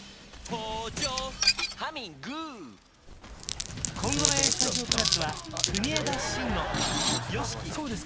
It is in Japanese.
「ビオレ」今後の「ＡＳＴＵＤＩＯ＋」は国枝慎吾ＹＯＳＨＩＫＩ